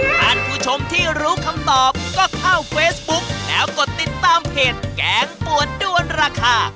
ท่านผู้ชมที่รู้คำตอบก็เข้าเฟซบุ๊กแล้วกดติดตามเพจแกงปวดด้วนราคา